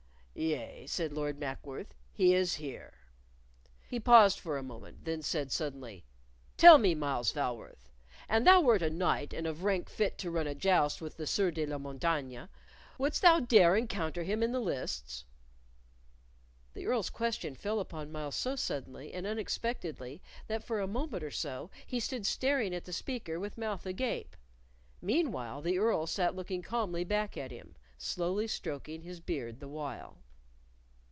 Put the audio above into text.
"Yea," said Lord Mackworth; "he is here." He paused for a moment; then said, suddenly. "Tell me, Myles Falworth, an thou wert a knight and of rank fit to run a joust with the Sieur de la Montaigne, wouldst thou dare encounter him in the lists?" The Earl's question fell upon Myles so suddenly and unexpectedly that for a moment or so he stood staring at the speaker with mouth agape. Meanwhile the Earl sat looking calmly back at him, slowly stroking his beard the while.